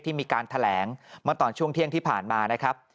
มีการแถลงเมื่อตอนช่วงเที่ยงที่ผ่านมานะครับ